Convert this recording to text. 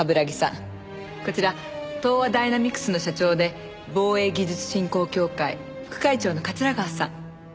こちら東亜ダイナミクスの社長で防衛技術振興協会副会長の桂川さん。